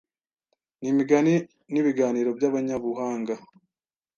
n’imigani nibiganiro by’abanyabuhanga